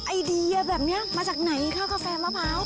ไอเดียแบบนี้มาจากไหนข้าวกาแฟมะพร้าว